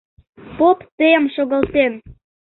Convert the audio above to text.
Поп тыйым шогалтен.